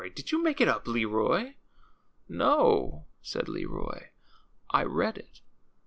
Did you make it up, Leroy?" No," said Leroy ; I read it.